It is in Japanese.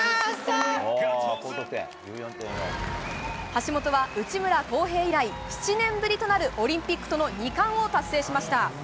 橋本は内村航平以来、７年ぶりとなるオリンピックとの２冠を達成しました。